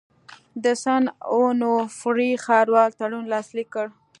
د سن اونوفري ښاروال تړون لاسلیک کړ.